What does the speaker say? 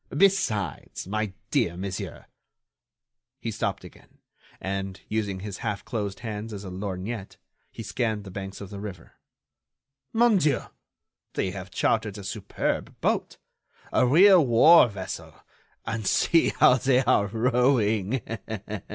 Besides, my dear monsieur—" He stopped again and, using his half closed hands as a lorgnette, he scanned the banks of the river. "Mon Dieu! they have chartered a superb boat, a real war vessel, and see how they are rowing.